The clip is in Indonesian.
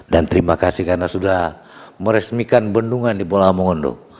dan terima kasih karena sudah meresmikan bendungan di pulau amungondo